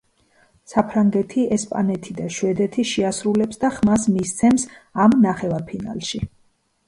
საფრანგეთი, ესპანეთი და შვედეთი შეასრულებს და ხმას მისცემს ამ ნახევარფინალში.